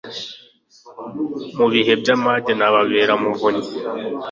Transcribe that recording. mu bihe by'amage nababere ubuvunyi